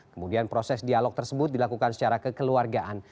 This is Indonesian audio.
kemudian proses dialog tersebut dilakukan secara kekeluargaan